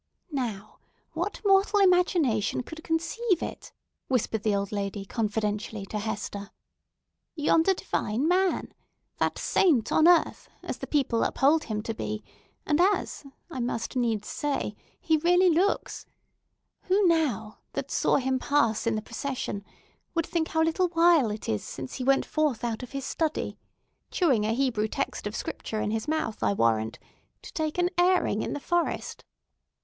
"Now, what mortal imagination could conceive it?" whispered the old lady confidentially to Hester. "Yonder divine man! That saint on earth, as the people uphold him to be, and as—I must needs say—he really looks! Who, now, that saw him pass in the procession, would think how little while it is since he went forth out of his study—chewing a Hebrew text of Scripture in his mouth, I warrant—to take an airing in the forest!